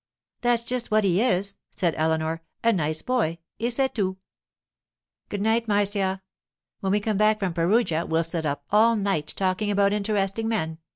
'That's just what he is,' said Eleanor. 'A nice boy—et c'est tout. Good night, Marcia. When we come back from Perugia we'll sit up all night talking about interesting men.